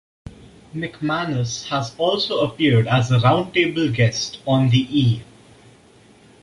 McManus has also appeared as a 'Round table' guest on the E!